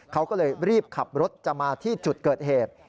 เขาก็เลยรีบขับรถจะมาที่จุดเกิดเหตุ